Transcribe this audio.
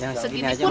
yang segini pun